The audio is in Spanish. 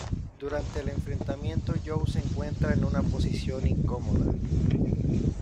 Durante el enfrentamiento, Joe se encuentra en una posición incómoda.